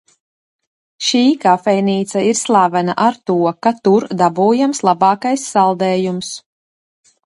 Šī kafejnīca ir slavena ar to, ka tur dabūjams labākais saldējums.